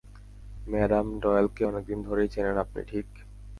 Madam ডয়েলকে অনেকদিন ধরেই চেনেন আপনি, ঠিক?